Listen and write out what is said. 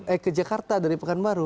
eh ke jakarta dari pekanbaru